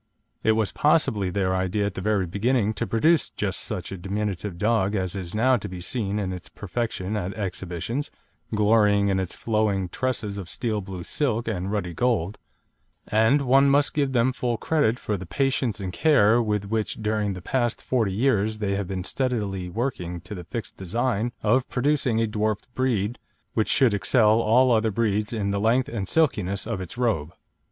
It was possibly their idea at the very beginning to produce just such a diminutive dog as is now to be seen in its perfection at exhibitions, glorying in its flowing tresses of steel blue silk and ruddy gold; and one must give them full credit for the patience and care with which during the past forty years they have been steadily working to the fixed design of producing a dwarfed breed which should excel all other breeds in the length and silkiness of its robe.